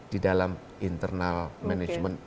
di dalam internal management